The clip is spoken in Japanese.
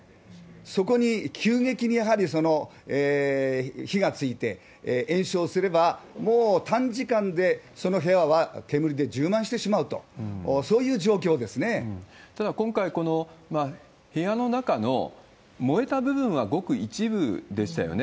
そこに急激にやはり火がついて、延焼すればもう短時間でその部屋は煙で充満してしまうと、そういただ、今回、部屋の中の燃えた部分はごく一部でしたよね。